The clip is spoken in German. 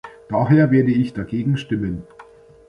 Daher werde ich dagegen stimmen.